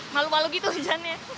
malu malu gitu hujannya